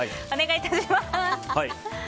お願い致します。